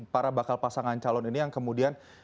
para bakal pasangan calon ini yang kemudian